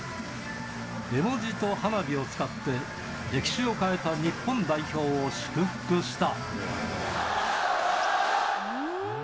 絵文字と花火を使って、歴史を変えた日本代表を祝福した。